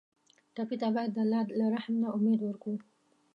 ټپي ته باید د الله له رحم نه امید ورکړو.